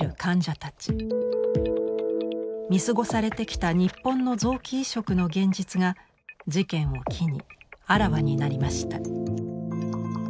見過ごされてきた日本の臓器移植の現実が事件を機にあらわになりました。